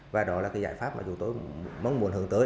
và đó là cái giải pháp mà chúng tôi mong muốn hướng tới